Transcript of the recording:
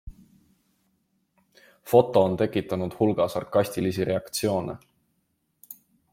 Foto on tekitanud hulga sarkastilisi reaktsioone.